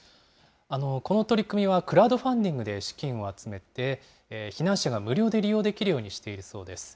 この取り組みはクラウドファンディングで資金を集めて、避難者が無料で利用できるようにしているそうです。